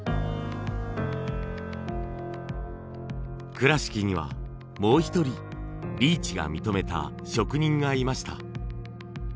倉敷にはもう一人リーチが認めた職人がいました。